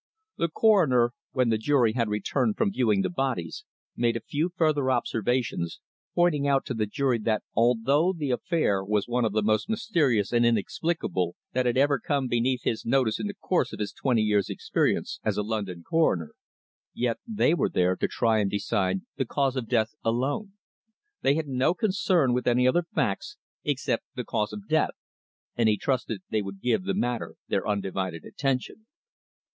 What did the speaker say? The Coroner, when the jury had returned from viewing the bodies, made a few further observations, pointing out to the jury that although the affair was one of the most mysterious and inexplicable that had ever come beneath his notice in the course of his twenty years' experience as a London coroner, yet they were there to try and decide the cause of death alone. They had no concern with any other facts except the cause of death, and he trusted they would give the matter their undivided attention.